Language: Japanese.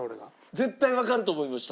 絶対わかると思いました。